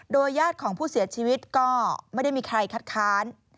ญาติของผู้เสียชีวิตก็ไม่ได้มีใครคัดค้าน